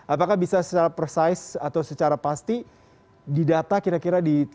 apakah bisa secara persaiz atau secara pasti di data kira kira ditangkap